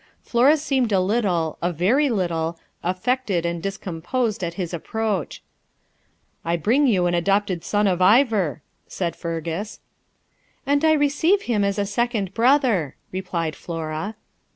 Flora seemed a little a very little affected and discomposed at his approach. 'I bring you an adopted son of Ivor,' said Fergus. 'And I receive him as a second brother,' replied Flora.